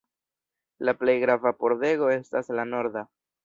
La plej grava pordego estas la norda.